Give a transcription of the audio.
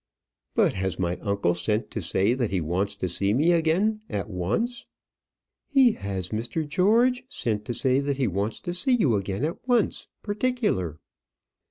"But has my uncle sent to say that he wants to see me again at once?" "He has, Mr. George; sent to say that he wants to see you again at once, particular."